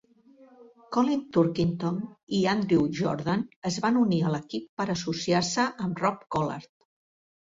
Colin Turkington i Andrew Jordan es van unir a l'equip per associar-se amb Rob Collard.